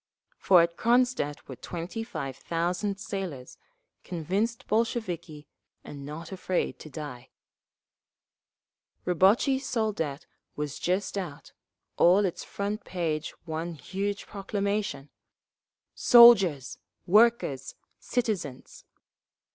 For at Cronstadt were twenty five thousand sailors, convinced Bolsheviki and not afraid to die…. Rabotchi i Soldat was just out, all its front page one huge proclamation: SOLDIERS! WORKERS! CITIZENS!